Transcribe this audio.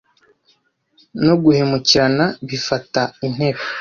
no guhemukirana bifata intebe.